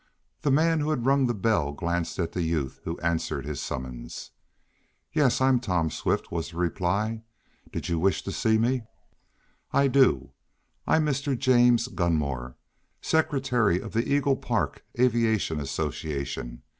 The man who had rung the bell glanced at the youth who answered his summons. "Yes, I'm Tom Swift," was the reply. "Did you wish to see me?" "I do. I'm Mr. James Gunmore, secretary of the Eagle Park Aviation Association.